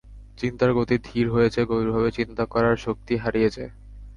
চিন্তার গতি ধীর হয়ে যায়, গভীরভাবে চিন্তা করার শক্তি হারিয়ে যায়।